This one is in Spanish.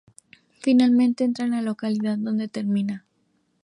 Finalmente entra en la localidad donde termina.